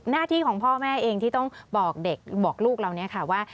หน้าที่ของพ่อแม่เองที่ต้องบอกเด็กบอกลูกเราเนี่ยค่ะว่า